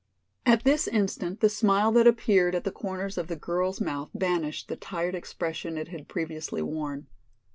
At this instant the smile that appeared at the corners of the girl's mouth banished the tired expression it had previously worn.